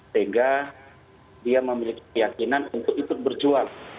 sehingga dia memiliki keyakinan untuk ikut berjuang